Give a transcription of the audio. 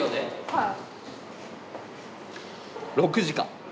はい。